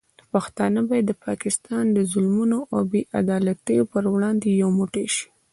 پښتانه باید د پاکستان د ظلمونو او بې عدالتیو پر وړاندې یو موټی شي.